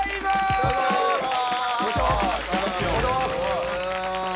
よろしくお願いしまーすええ